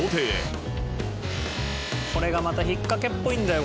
これがまた引っかけっぽいんだよ